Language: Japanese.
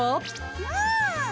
うん！